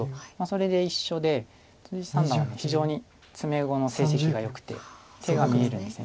それで一緒で三段は非常に詰碁の成績がよくて手が見えるんです。